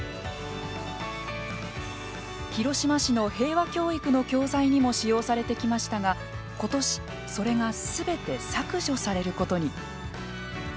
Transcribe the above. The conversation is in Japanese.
広島市の平和教育の教材にも使用されてきましたが、今年それが全て削除されることに。